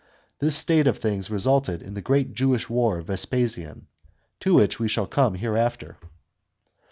This state of things resulted in the great Jewish war of Vespasian, to which we shall come hereafter.